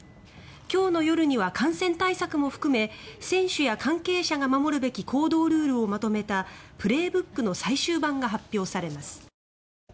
今日の夜には感染対策も含め選手や関係者が守るべき行動ルールをまとめた「プレーブック」の最終版が発表されます。